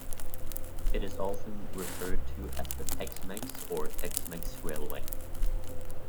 It is often referred to as the Tex-Mex, or TexMex Railway.